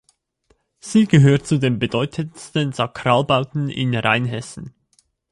Sie gehört zu den bedeutendsten Sakralbauten in Rheinhessen.